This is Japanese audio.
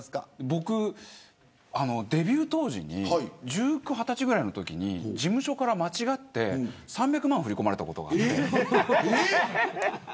僕デビュー当時に１９、２０歳ぐらいのときに事務所から間違って３００万振り込まれたことがあって。